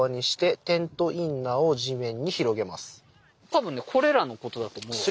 多分ねこれらのことだと思うよ。